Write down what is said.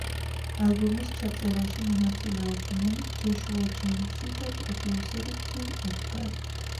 ალბომის ჩაწერაში მონაწილეობდნენ ჯოშუა ჯეიმსი და პროდიუსერი ტიმ ედგარი.